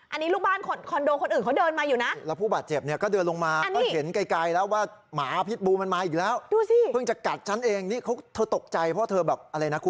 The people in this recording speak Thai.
อันนี้ลูกบ้านคอนโดคนอื่นเขาเดินมาอยู่นะแล้วผู้บาดเจ็บเนี่ยก็เดินลงมาก็เห็นไกลแล้วว่าหมาพิษบูมันมาอีกแล้วดูสิเพิ่งจะกัดฉันเองนี่เขาเธอตกใจเพราะเธอแบบอะไรนะคุณ